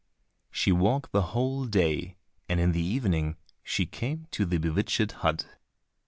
She walked the whole day, and in the evening she came to the bewitched hut.